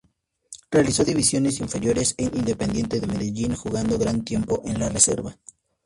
Realizó las divisiones inferiores en Independiente de Medellín, jugando gran tiempo en la reserva.